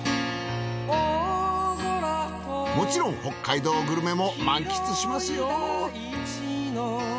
もちろん北海道グルメも満喫しますよ。